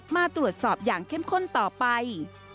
มาตรวจสอบอย่างเข้มข้นต่อไป